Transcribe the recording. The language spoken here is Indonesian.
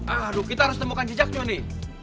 aduh kita harus temukan jejaknya nih